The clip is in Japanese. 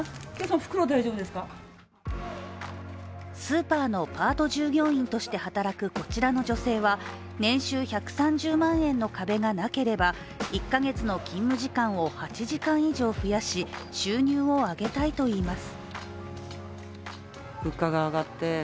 スーパーのパート従業員として働くこちらの女性は年収１３０万円の壁がなければ１か月の勤務時間を８時間以上増やし、収入を上げたいといいます。